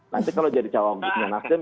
nanti kalau jadi cowok untuk menyenangkan